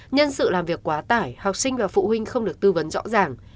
nhân sự làm việc quá tải học sinh và phụ huynh không được tư vấn rõ ràng